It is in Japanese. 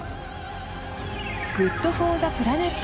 ＧｏｏｄＦｏｒｔｈｅＰｌａｎｅｔ